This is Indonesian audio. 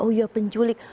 oh iya penculik